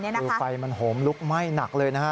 คือไฟมันโหมลุกไหม้หนักเลยนะฮะ